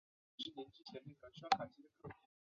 格罗索立功啦！